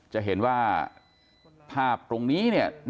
จะเห็นว่าภาพตรงนี้น่าจะเป็นน้อง